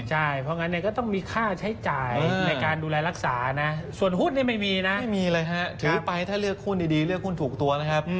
ใช่เพราะงั้นเนี่ยก็ต้องมีค่าใช้จ่ายในการดูแลรักษานะส่วนหุ้นนี่ไม่มีนะไม่มีเลยฮะถือไปถ้าเลือกหุ้นดีเลือกหุ้นถูกตัวนะครับ